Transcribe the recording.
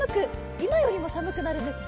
今よりも寒くなるんですね。